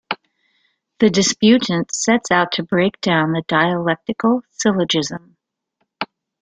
The disputant sets out to break down the dialectical syllogism.